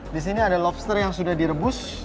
di sini ada lobster yang sudah direbus